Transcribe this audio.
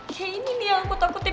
kayak ini nih yang aku takutin